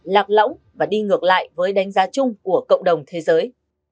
lạc lõng và đi ngược lại với đánh giá chung của cộng đồng thế giới